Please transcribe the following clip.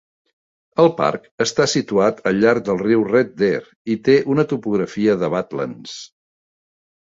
El parc està situat al llarg del riu Red Deer i té una topografia de badlands.